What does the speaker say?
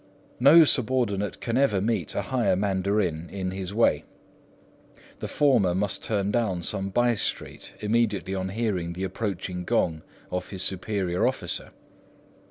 No subordinate can ever meet a higher mandarin in this way; the former must turn down some by street immediately on hearing the approaching gong of his superior officer.